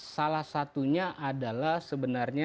salah satunya adalah sebenarnya